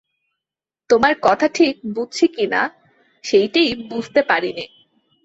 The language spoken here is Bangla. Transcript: তোমার কথা ঠিক বুঝছি কি না সেইটেই বুঝতে পারি নে।